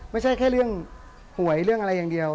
ไม่ใช่แค่เรื่องหวยเรื่องอะไรอย่างเดียว